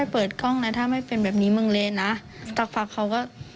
พ่อหนูไปตัดหน้ารถเขา